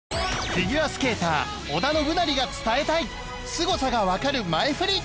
フィギュアスケーター織田信成が伝えたいすごさがわかる前フリ